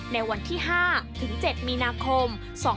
ในวันที่๕ถึง๗มีนาคม๒๕๖